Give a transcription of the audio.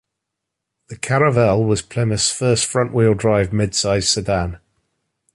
The Caravelle was Plymouth's first front wheel drive mid-size sedan.